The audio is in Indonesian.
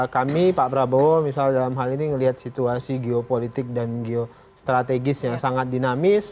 kami pak prabowo misalnya dalam hal ini melihat situasi geopolitik dan geostrategis yang sangat dinamis